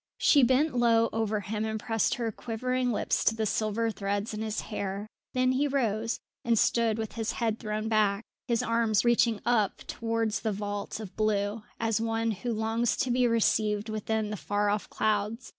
She bent low over him and pressed her quivering lips to the silver threads in his hair; then he rose, and stood with his head thrown back, his arms reaching up towards the vault of blue, as one who longs to be received within the far off clouds.